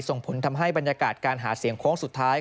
ส่งผลทำให้บรรยากาศการหาเสียงโค้งสุดท้าย